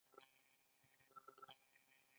د خودکار قلم نلکه پکې ور تیره کړئ.